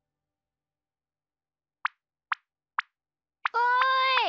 おい！